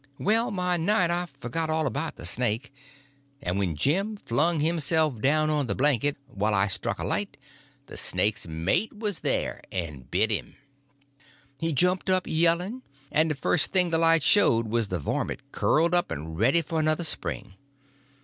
Well, by night I forgot all about the snake, and when Jim flung himself down on the blanket while I struck a light the snake's mate was there, and bit him. He jumped up yelling, and the first thing the light showed was the varmint curled up and ready for another spring.